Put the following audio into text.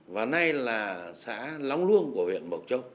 và nay là xã long luông của huyện bộc châu